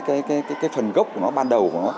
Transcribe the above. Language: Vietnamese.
cái phần gốc của nó ban đầu của nó